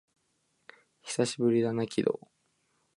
久しぶりだな、鬼道